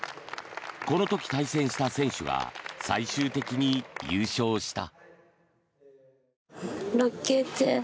この時対戦した選手が最終的に優勝した。